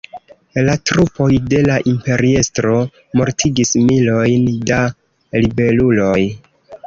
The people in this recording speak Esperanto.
La trupoj de la imperiestro mortigis milojn da ribeluloj.